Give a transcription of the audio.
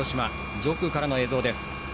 上空からの映像です。